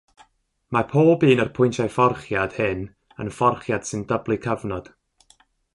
Mae pob un o'r pwyntiau fforchiad hyn yn fforchiad sy'n dyblu cyfnod.